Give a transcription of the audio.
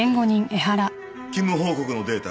勤務報告のデータ